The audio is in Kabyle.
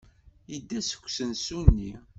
Yedda seg usensu-nni.